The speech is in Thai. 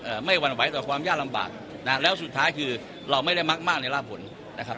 ไม่หวั่นไหวต่อความยากลำบากนะฮะแล้วสุดท้ายคือเราไม่ได้มักมากในร่าผลนะครับ